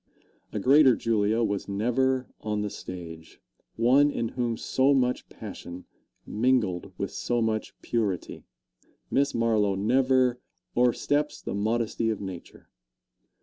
A greater Julia was never on the stage one in whom so much passion mingled with so much purity. Miss Marlowe never "o'ersteps the modesty of nature."